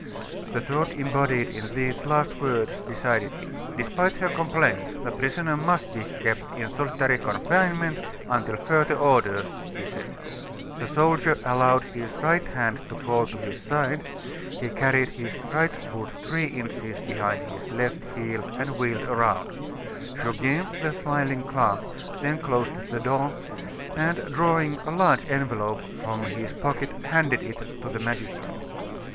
The thought embodied in these last words decided him. "Despite her complaints the prisoner must be kept in solitary confinement until further orders," he said. The soldier allowed his right hand to fall to his side, he carried his right foot three inches behind his left heel, and wheeled around. Goguet, the smiling clerk, then closed the door, and, drawing a large envelope from his pocket, handed it to the magistrate.